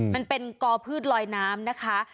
มันเป็นกรผืชลอยน้ำ